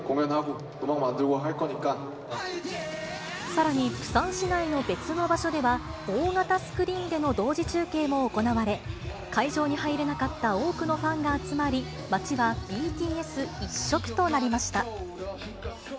さらに、プサン市内の別の場所では、大型スクリーンでの同時中継も行われ、会場に入れなかった多くのファンが集まり、街はＢＴＳ一色となりました。